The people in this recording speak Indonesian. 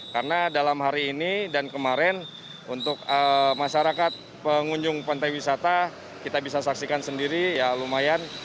karena dalam hari ini dan kemarin untuk masyarakat pengunjung pantai wisata kita bisa saksikan sendiri ya lumayan